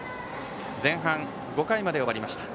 前半５回まで終わりました。